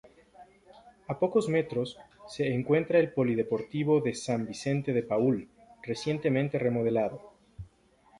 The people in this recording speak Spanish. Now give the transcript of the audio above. A pocos metros se encuentra el polideportivo de San Vicente de Paúl, recientemente remodelado.